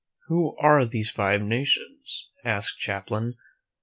"Who are these Five Nations?" asked Champlain.